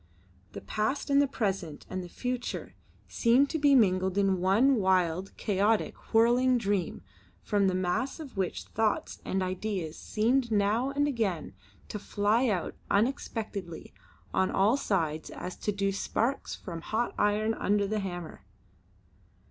The past and the present and the future seemed to be mingled in one wild, chaotic, whirling dream, from the mass of which thoughts and ideas seemed now and again to fly out unexpectedly on all sides as do sparks from hot iron under the hammer.